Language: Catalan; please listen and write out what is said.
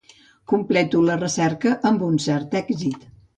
Completo la recerca amb un cert èxit.